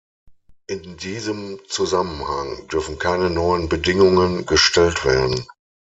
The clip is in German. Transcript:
In diesem Zusammenhang dürfen keine neuen Bedingungen gestellt werden.